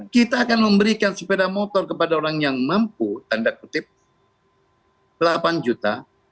kita akan memberikan sepeda motor kepada orang yang mampu tanda kutip delapan juta